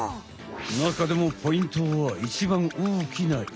なかでもポイントはいちばんおおきな胃。